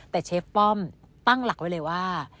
แต่เชฟป้อมตั้งหลักไว้เลยว่า